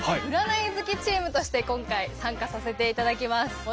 占い好きチームとして今回参加させていただきます。